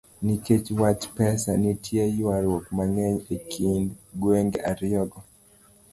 Nikech wach pesa, nitie ywaruok mang'eny e kind gwenge ariyogo